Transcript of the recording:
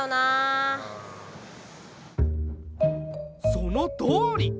そのとおり！